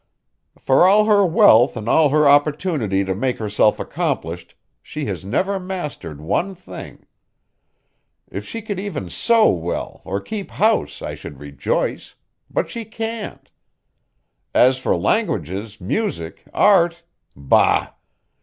"For all her wealth and all her opportunity to make herself accomplished she has never mastered one thing. If she could even sew well or keep house I should rejoice. But she can't. As for languages, music, art bah!